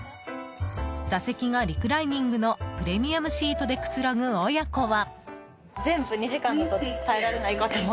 座席がリクライニングのプレミアムシートでくつろぐ親子は。